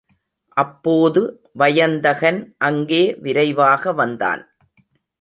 அப்போது வயந்தகன் அங்கே விரைவாக வந்தான்.